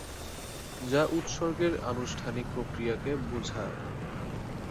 যা উৎসর্গের আনুষ্ঠানিক প্রক্রিয়াকে বোঝায়।